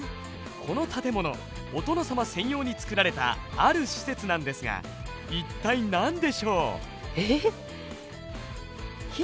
この建物お殿様専用に造られたある施設なんですが一体何でしょう？え？